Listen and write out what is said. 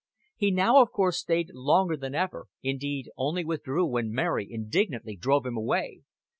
He now of course stayed longer than ever, indeed only withdrew when Mary indignantly drove him away.